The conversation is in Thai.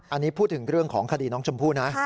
อันนี้พูดถึงเรื่องของคดีน้องชมพู่นะ